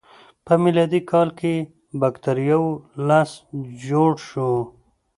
په میلادي کال کې د بکتریاوو لست جوړ شو.